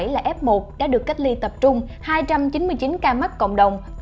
ba trăm sáu mươi bảy là f một đã được cách ly tập trung hai trăm chín mươi chín ca mắc cộng đồng